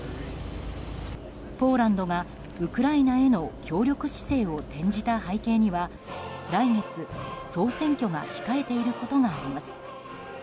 ポーランドがウクライナへの協力姿勢を転じた背景には来月、総選挙が控えていることがあります。